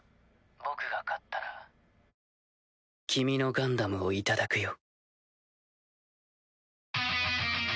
僕が勝ったら君のガンダムを頂くよ。